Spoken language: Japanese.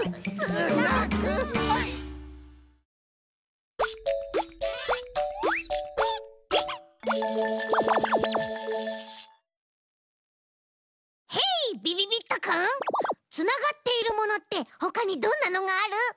つながっているものってほかにどんなのがある？